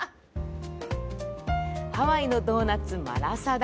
ハワイのドーナツ、マラサダ。